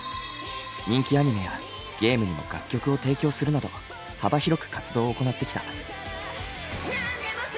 人気アニメやゲームにも楽曲を提供するなど幅広く活動を行ってきた。